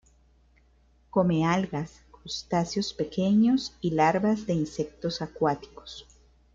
Come algas, crustáceos pequeños y larvas de insectos acuáticos.